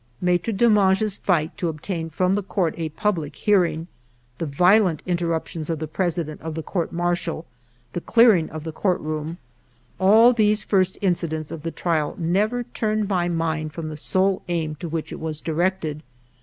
Maitre Demange's fight to obtain from the Court a public hearing, the violent interruptions of the President of the Court Martial, the clear ing of the court room, — all these first incidents 22 FIVE YEARS OF MY LIFE of the trial never turned my mind from the sole aim to which it was directed.